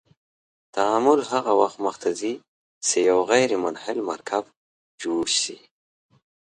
تعامل هغه وخت مخ ته ځي چې یو غیر منحل مرکب جوړ شي.